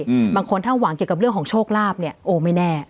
อืมบางคนถ้าหวังเกี่ยวกับเรื่องของโชคลาภเนี้ยโอ้ไม่แน่